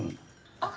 あっ。